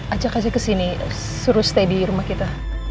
acak acak ke sini suruh stay di rumah kita